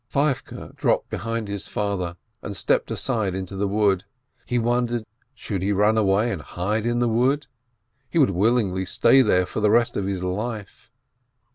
Feivke dropped behind his father, and stepped aside into the wood. He wondered : Should he run away and hide in the wood ? He would willingly stay there for the rest of his life.